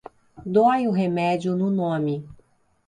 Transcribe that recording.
Dói o remédio no nome.